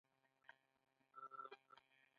ځکه چې دا حالت د دغو اصولو په مرسته رامنځته کېږي.